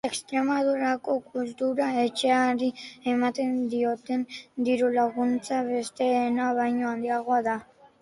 Extremadurako kultura etxeari ematen dioten diru-laguntza besteena baino handiagoa da.